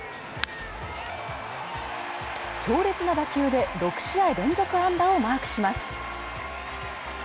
強烈な打球で６試合連続安打をマークします。